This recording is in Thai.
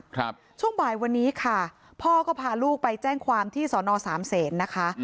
ช่วงบ่ายวันนี้ค่ะพ่อก็พาลูกไปแจ้งความที่สอนอสามเศษนะคะ